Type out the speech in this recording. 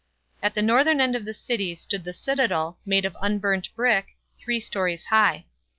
At the northern end of the city stood the citadel, made of unburnt brick, three stories high.